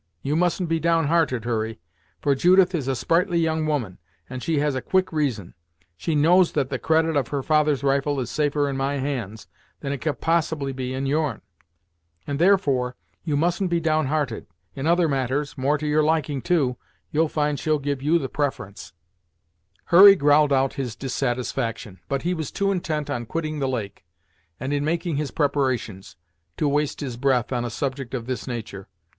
You mustn't be down hearted, Hurry, for Judith is a sprightly young woman, and she has a quick reason; she knows that the credit of her father's rifle is safer in my hands, than it can possibly be in yourn; and, therefore, you mustn't be down hearted. In other matters, more to your liking, too, you'll find she'll give you the preference." Hurry growled out his dissatisfaction, but he was too intent on quitting the lake, and in making his preparations, to waste his breath on a subject of this nature.